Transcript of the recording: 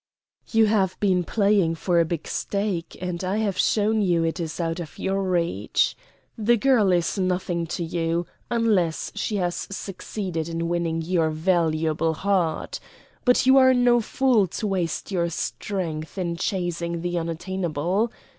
"You have been playing for a big stake, and I have shown you it is out of your reach. This girl is nothing to you unless she has succeeded in winning your valuable heart. But you are no fool to waste your strength in chasing the unattainable.